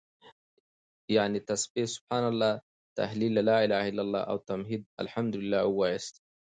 يعنې تسبيح سبحان الله، تهليل لا إله إلا الله او تحميد الحمد لله واياست